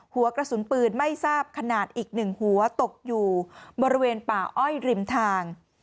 หัวกระสุนปืนไม่ทราบขนาดอีก๑หัวตกอยู่บริเวณป่าอ้อยริมทาง